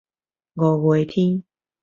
五月天